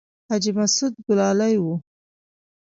حاجي مسعود ګلالی و.